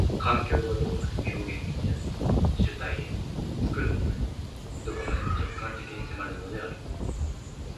環境はどこまでも表現的であり、主体へ、作るものへ、どこまでも直観的に迫るのである。